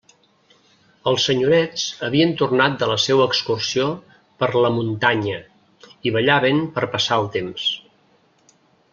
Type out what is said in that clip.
Els senyorets havien tornat de la seua excursió per «la muntanya», i ballaven per passar el temps.